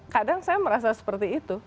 kadang saya merasa seperti itu